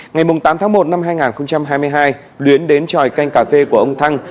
ngày tám tháng một năm hai nghìn hai mươi hai luyến đến tròi canh cà phê của ông thăng